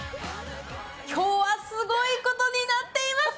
今日はすごいことになっています。